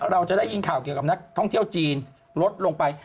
เราจะได้ยินข่าวเกี่ยวกับนักท่องเที่ยวจีนลดลงไป